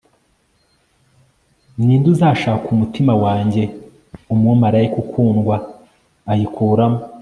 Ni nde uzashaka umutima wanjye Umumarayika ukundwa arikuramo